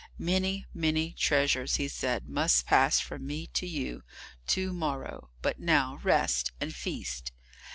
"Many, many treasures," he said, "must pass from me to you to morrow, but now rest and feast."